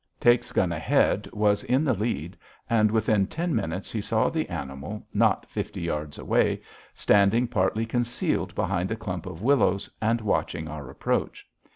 Takes Gun Ahead was in the lead, and within ten minutes he saw the animal not fifty yards away, standing partly concealed behind a clump of willows and watching our approach.